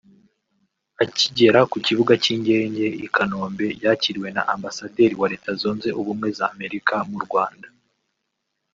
Akigera ku kibuga cy’Ingege i Kanombe yakiriwe na Ambasaderi wa Leta Zunze Ubumwe za Amerika mu Rwanda